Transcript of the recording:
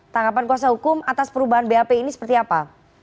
tanggapan kuasa hukum atas perubahan bap ini seperti apa